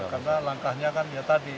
karena langkahnya kan ya tadi